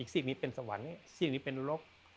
สิ่งนี้เป็นสวรรค์สิ่งนี้เป็นโรค